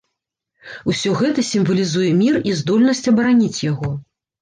Усё гэта сімвалізуе мір і здольнасць абараніць яго.